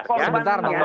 sebentar bung noel